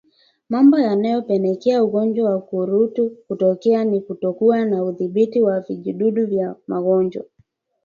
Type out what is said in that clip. Mambo yanayopelekea ugonjwa wa ukurutu kutokea ni kutokuwa na udhibiti wa vijidudu vya magonjwa